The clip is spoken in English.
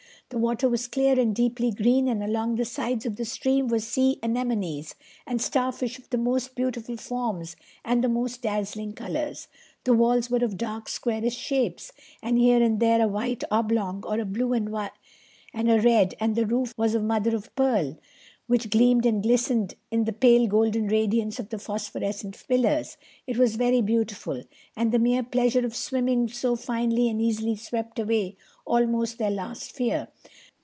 The water was clear and deeply green and along the sides of the stream were sea anemones and starfish of the most beautiful forms and the most dazzling colors. The walls were of dark squarish shapes, and here and there a white oblong, or a blue and a red, and the roof was of mother of pearl which gleamed and glistened in the pale golden radiance of the phosphorescent pillars. It was very beautiful, and the mere pleasure of swimming so finely and easily swept away almost their last fear.